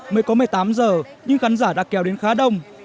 mới có một mươi tám giờ nhưng khán giả đã kéo đến khá đông